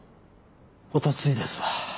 おとついですわ。